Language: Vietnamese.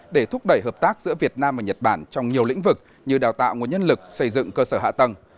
để thúc đẩy hợp tác giữa việt nam và nhật bản trong nhiều lĩnh vực như đào tạo nguồn nhân lực xây dựng cơ sở hạ tầng